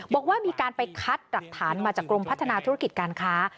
บอกว่ามีการไปคัดหลักฐานมาจากกรมพัฒนาธุรกิจการค้า